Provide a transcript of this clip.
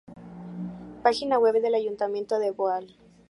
Página web del Ayuntamiento de Boal